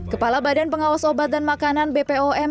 kepala badan pengawas obat dan makanan bpom